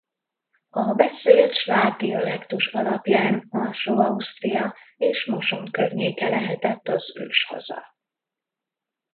A beszélt sváb dialektus alapján Alsó-Ausztria és Moson környéke lehetett az őshaza.